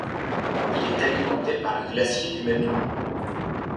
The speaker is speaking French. Il est alimenté par le glacier du même nom.